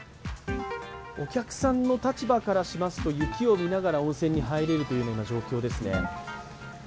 お客さんの立場からしますと、雪を見ながら温泉に入れるという状況ですね。